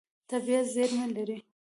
طبیعت زېرمې لري.